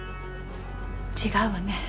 違うわね。